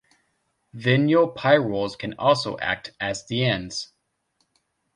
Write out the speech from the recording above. Vinylpyrroles can also act as dienes.